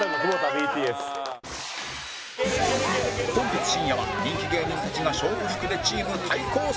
本日深夜は人気芸人たちが勝負服でチーム対抗戦！